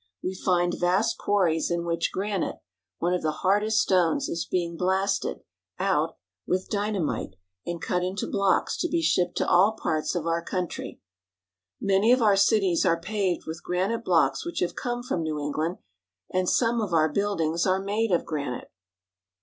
We find vast quarries in which granite, one of the hard est stones, is being blast ed out with dynamite and cut into blocks, to be shipped to all parts of our coun try. Many of our cities are paved with granite blocks which have come from New England, and some of our build ings are made of granite.